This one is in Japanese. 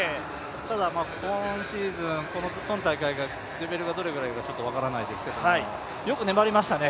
ただ今シーズン、今大会がレベルがどのぐらいかちょっと分からないですけどよく粘りましたね。